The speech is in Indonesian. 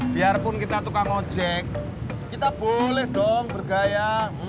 biarpun kita tukang ojek kita boleh dong bergaya